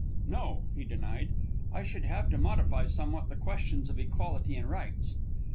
"No," he denied. "I should have to modify somewhat the questions of equality and rights."